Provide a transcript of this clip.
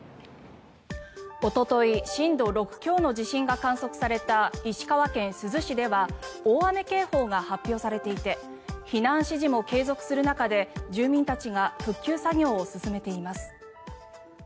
おととい震度６強の地震が観測された石川県珠洲市では大雨警報が発表されていて避難指示も継続する中で住民たちが復旧作業を進めています。